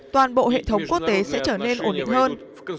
toàn bộ hệ thống quốc tế sẽ trở nên ổn định hơn